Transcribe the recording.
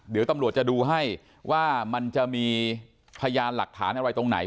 เดี๋ยวตำรวจจะดูให้ว่ามันจะมีพยานหลักฐานอะไรตรงไหน